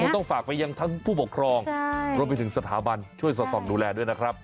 ต้องฝากไปยังทั้งผู้ปกครองรวมไปถึงสถาบันช่วยสอดส่องดูแลด้วยนะครับ